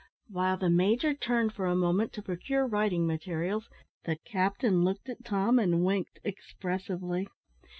While the major turned for a moment to procure writing materials, the captain looked at Tom and winked expressively.